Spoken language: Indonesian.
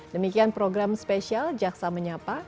demikian program spesial jaksa menyapa